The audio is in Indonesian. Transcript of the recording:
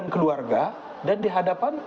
keluarga dan dihadapan